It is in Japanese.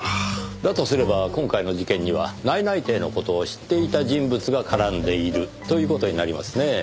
だとすれば今回の事件には内々定の事を知っていた人物が絡んでいるという事になりますねぇ。